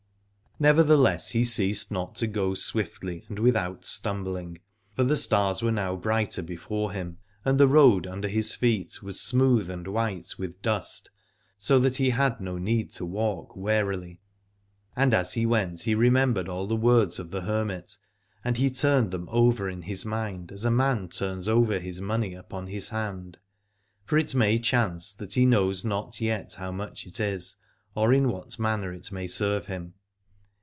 Nevertheless he ceased not to go swiftly and without stumbling, for the stars were now brighter before him, and the road under his feet was smooth and white with dust, so that he had no need to walk warily. And as he went he remembered all the words of the hermit, and he turned them over in his mind as a man turns over his money upon his hand: for it may chance that he knows not yet how much it is, or in what manner it may serve him.